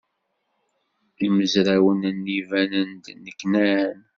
Imezrawen-nni banen-d nneknan.